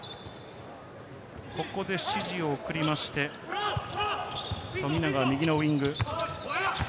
ここで指示を送りまして、富永は右のウイング。